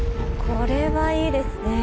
これはいいですね。